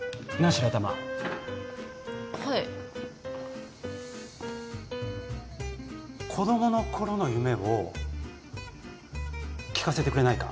白玉はい子供の頃の夢を聞かせてくれないか？